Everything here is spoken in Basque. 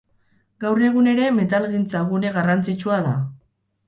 Gaur egun ere metalgintza-gune garrantzitsua da.